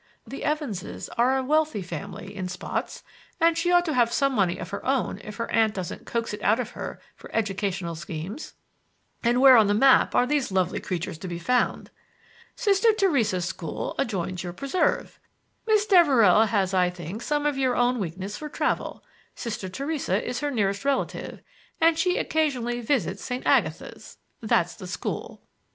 The Evanses are a wealthy family, in spots, and she ought to have some money of her own if her aunt doesn't coax it out of her for educational schemes." "And where on the map are these lovely creatures to be found?" "Sister Theresa's school adjoins your preserve; Miss Devereux has I think some of your own weakness for travel. Sister Theresa is her nearest relative, and she occasionally visits St. Agatha's—that's the school."